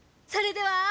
それでは。